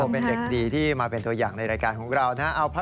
เป็นเด็กดีที่มาเป็นตัวอย่างในรายการของเรานะครับ